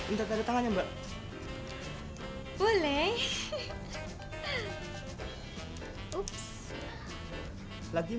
bagaimana kalau kalian saya ajak minum minum